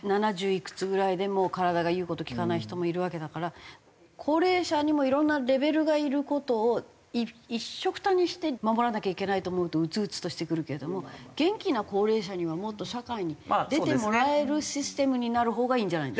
いくつぐらいでも体が言う事を聞かない人もいるわけだから高齢者にもいろんなレベルがいる事を一緒くたにして守らなきゃいけないと思うとうつうつとしてくるけれども元気な高齢者にはもっと社会に出てもらえるシステムになるほうがいいんじゃないの？